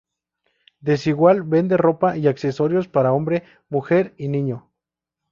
Desigual vende ropa y accesorios para hombre, mujer y niño.